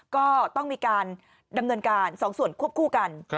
ก็ต้องมีการดำเนินการ๒ส่วนควบคู่กัน